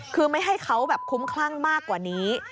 คือไม่ให้เขาแบบคุ้มคลั่งมากกว่านี้